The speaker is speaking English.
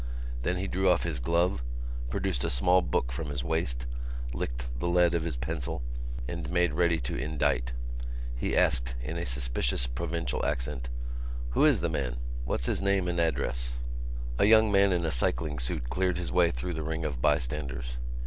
Then he drew off his glove, produced a small book from his waist, licked the lead of his pencil and made ready to indite. He asked in a suspicious provincial accent: "Who is the man? What's his name and address?" A young man in a cycling suit cleared his way through the ring of bystanders.